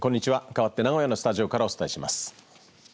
かわって名古屋のスタジオからお伝えします。